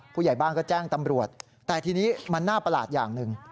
ผู้ใหญ่บ้านก็แจ้งตำรวจแต่ทีนี้มันน่าประหลาดอย่างหนึ่ง